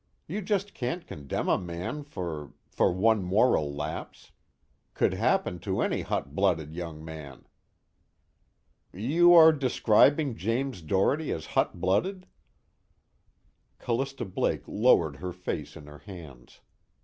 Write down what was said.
You just can't condemn a man for for one moral lapse. Could happen to any hotblooded young man." "You are describing James Doherty as hotblooded?" Callista Blake lowered her face in her hands.